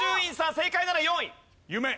正解なら４位。